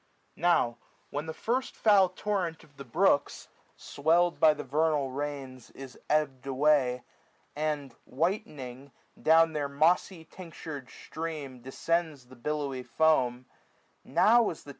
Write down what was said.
375 Now when the first foul torrent of the brooks, Sweird with the vernal rains, is ebb'd away j And, whitenii^, down thdr mossy tinctur'd stream Descends the billowy foam : Now is the time.